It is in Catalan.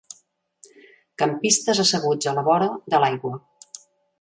Campistes asseguts a la vora de l'aigua.